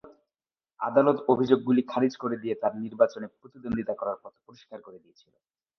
আদালত অভিযোগগুলি খারিজ করে দিয়ে তার নির্বাচনে প্রতিদ্বন্দ্বিতা করার পথ পরিষ্কার করে দিয়েছিল।